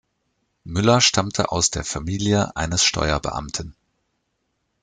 Müller stammte aus der Familie eines Steuerbeamten.